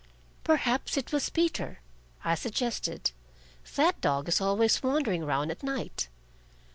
"Perhaps it was Peter," I suggested. "That dog is always wandering around at night."